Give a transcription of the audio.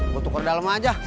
gue tuker dalam aja